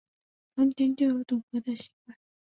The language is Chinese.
从前就有赌博的习惯